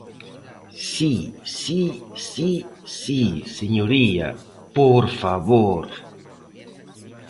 Si, si, si, si, señoría, ¡por favor!